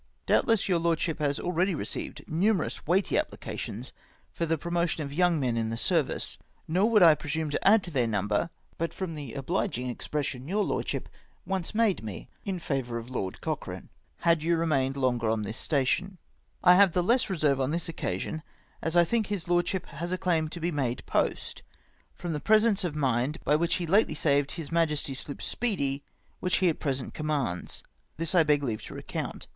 Doubtless your Lordship has already received numerous weighty applications fjr the promotion of young men in the service, nor would' I presume to add to their number but from the obliging expressions yom: Lordship once made me in favour of Lord Cochrane, had you remained longer on this station, I have the less reserve on this occasion, as I think his Lordship has a claim to be made post, from the presence of mind by which he lately saved H.lNI.'s sloop Speechj, which he at present commands. This I beg leave to recount.